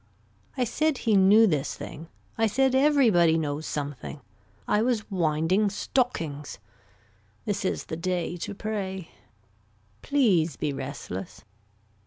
I said he knew this thing. I said everybody knows something. I was winding stockings. This is the day to pray. Please be restless.